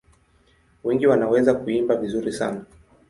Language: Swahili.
Wengi wanaweza kuimba vizuri sana.